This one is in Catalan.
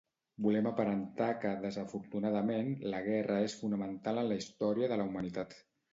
Volem aparentar que, desafortunadament, la guerra és fonamental en la història de la humanitat.